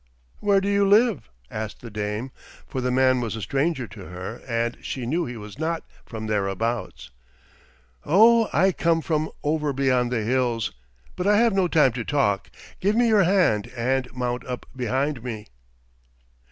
"Where do you live?" asked the dame, for the man was a stranger to her, and she knew he was not from thereabouts. "Oh, I come from over beyond the hills, but I have no time to talk. Give me your hand and mount up behind me."